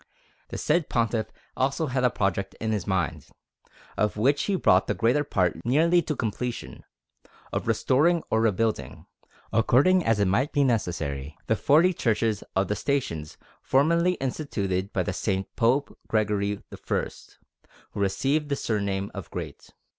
The said Pontiff also had a project in his mind, of which he brought the greater part nearly to completion, of restoring or rebuilding, according as it might be necessary, the forty Churches of the Stations formerly instituted by the Saint, Pope Gregory I, who received the surname of Great.